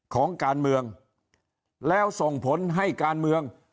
ของการเมืองแล้วส่งผลให้การเมือง